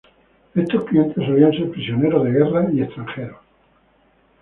Estos clientes solían ser prisioneros de guerra y extranjeros.